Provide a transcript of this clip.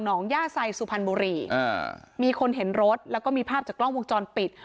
ของหนองย่าไสต์สุพันบุรีเอ้อมีคนเห็นรถแล้วก็มีภาพจากกล้องวงจรปิด